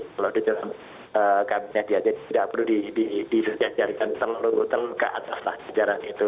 kalau di dalam kabinet dia dia tidak perlu di sejarahkan selalu terluka ataslah sejarah itu